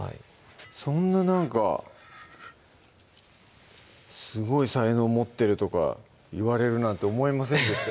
そんななんかすごい才能持ってるとか言われるなんて思いませんでした